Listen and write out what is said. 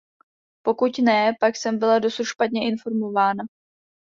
Pokud ne, pak jsem byla dosud špatně informována.